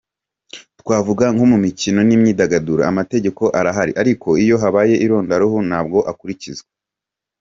Twavuga nko mu mikino n’imyidagaduro, amategeko arahari ariko iyo habaye irondaruhu, ntabwo akurikizwa.